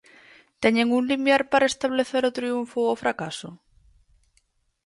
Teñen un limiar para establecer o triunfo ou o fracaso?